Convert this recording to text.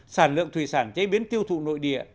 sản lượng thủy sản chế biến tiêu thụ nội địa